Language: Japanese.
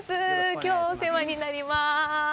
きょう、お世話になります。